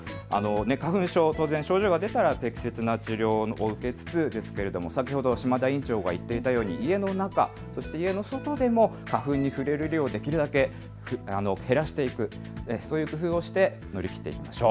花粉症、当然、症状が出たら適切な治療を受けつつですけども先ほど島田院長が言っていたように家の中、そして外でも花粉に触れる量をできるだけ減らしていく、そういう工夫をして乗り切っていきましょう。